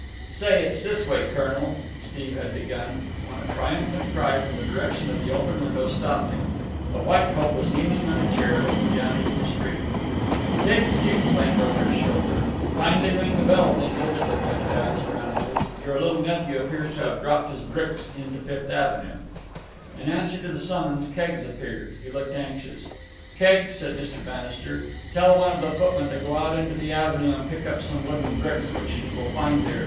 "Say, it's this way, colonel," Steve had begun, when a triumphant cry from the direction of the open window stopped him. The White Hope was kneeling on a chair, looking down into the street. "Bix," he explained over his shoulder. "Kindly ring the bell, Dingle," said Mr. Bannister, unmoved. "Your little nephew appears to have dropped his bricks into Fifth Avenue." In answer to the summons Keggs appeared. He looked anxious. "Keggs," said Mr. Bannister, "tell one of the footmen to go out into the avenue and pick up some wooden bricks which he will find there.